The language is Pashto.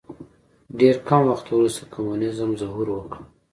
ډېر کم وخت وروسته کمونیزم ظهور وکړ.